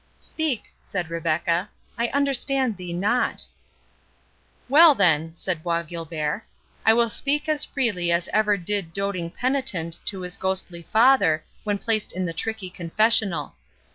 "Speak," said Rebecca; "I understand thee not." "Well, then," said Bois Guilbert, "I will speak as freely as ever did doting penitent to his ghostly father, when placed in the tricky confessional.